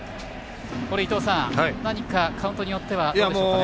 伊東さん、何かカウントによってはどうでしょう。